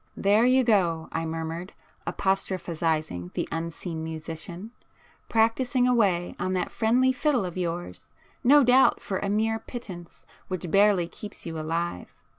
"There you go!" I murmured, apostrophizing the unseen musician,—"practising away on that friendly fiddle of yours,—no doubt for a mere pittance which barely keeps you alive.